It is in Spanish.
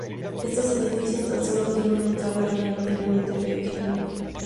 Estos edificios tan sólo tiene una entrada relativamente pequeña.